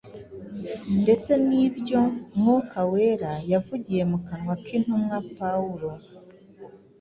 ndetse n’ibyo Mwuka Wera yavugiye mu kanwa k’intumwa Pawulo.